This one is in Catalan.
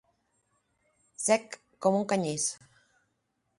Sec com un canyís.